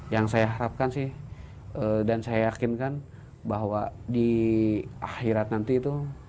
yang saya harapkan sih dan saya yakinkan bahwa di akhirat nanti itu